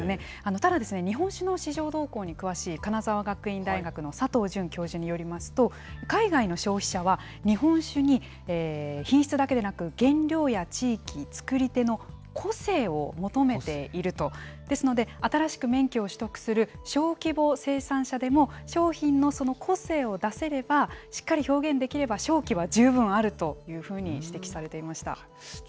ただ、日本酒の市場動向に詳しい金沢学院大学の佐藤淳教授によりますと、海外の消費者は、日本酒に品質だけでなく、原料や地域、作り手の個性を求めていると、ですので、新しく免許を取得する小規模生産者でも、商品のその個性を出せれば、しっかり表現できれば商機は十分あるというふうに指摘されていました。